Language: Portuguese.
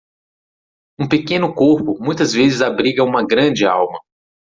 Um pequeno corpo muitas vezes abriga uma grande alma.